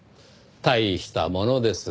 大したものです。